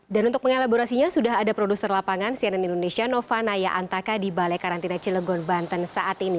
dan untuk pengelaborasinya sudah ada produser lapangan cnn indonesia nova naya antaka di balai karantina cilegon banten saat ini